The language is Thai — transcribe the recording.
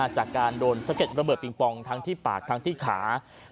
จากการโดนสะเก็ดระเบิดปิงปองทั้งที่ปากทั้งที่ขา